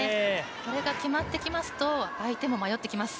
これが決まってきますと、相手も迷ってきます。